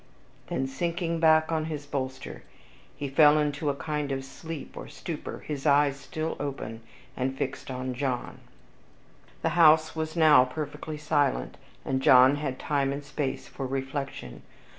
Then, sinking back on his bolster, he fell into a kind of sleep or stupor, his eyes still open, and fixed on John. The house was now perfectly silent, and John had time and space for reflection.